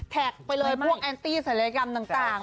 แท็กไปเลยพวกแอนตี่ศริลิริกรรมต่าง